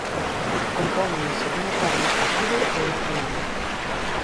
Compóñense dunha carga explosiva e un detonador.